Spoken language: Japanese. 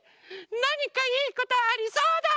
なにかいいことありそうだ！